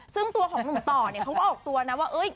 ซึ่งตัวของหนุ่มต่อเนี่ยเขาก็ออกตัวนะว่า